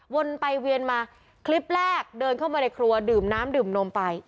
วนไปเวียนมาคลิปแรกเดินเข้ามาในครัวดื่มน้ำดื่มนมไป